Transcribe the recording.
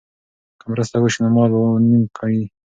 که مرسته وشي نو مال به نیم کیږي.